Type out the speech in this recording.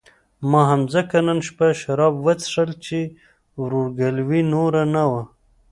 ما هم ځکه نن شپه شراب وڅښل چې ورورګلوي نوره نه وه.